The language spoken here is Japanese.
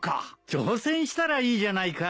挑戦したらいいじゃないか。